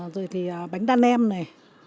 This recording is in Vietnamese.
rồi thì bánh đa nem này